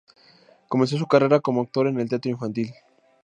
Comenzó su carrera como actor en el teatro infantil.